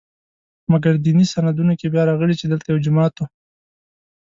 مګر دیني سندونو کې بیا راغلي چې دلته یو جومات و.